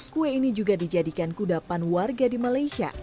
kue ini juga dijadikan kudapan warga di malaysia